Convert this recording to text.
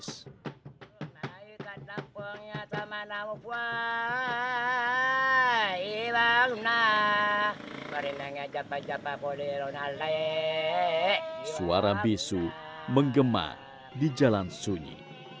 suara bisu menggema di jalan sunyi